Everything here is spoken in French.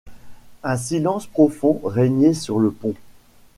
Un silence profond régnait sur le pont.